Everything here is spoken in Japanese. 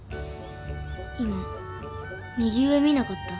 今右上見なかった？